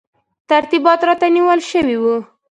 ترتیبات راته نیول شوي وو.